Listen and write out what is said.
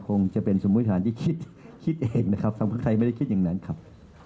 คงจะเป็นสมมุติฐานที่คิดเองนะครับสังคมไทยไม่ได้คิดอย่างนั้นครับ